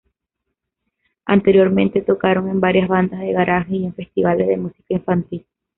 Anteriormente tocaron en varias bandas de garaje y en festivales de música infantil.